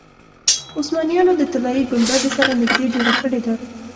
عثمانیانو د طلایي ګنبدې سره نږدې جوړه کړې ده.